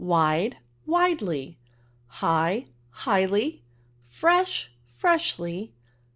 Wide, Widely. High, Highly. Fresh^ Freshly.